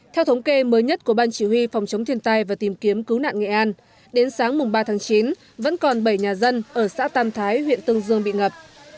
theo thống kê mới nhất của ban chỉ huy phòng chống thiên tai và tìm kiếm cứu nạn nghệ an đến sáng ba tháng chín vẫn còn bảy nhà dân ở xã tam thái huyện tương dương bị ngập